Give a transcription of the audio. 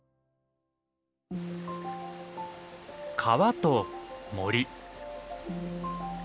川と森。